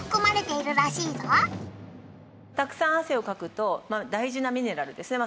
たくさん汗をかくと大事なミネラルですね